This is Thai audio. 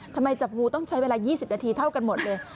ทำไมจับงูต้องใช้เวลา๒๐นาทีเท่ากันหมดเลย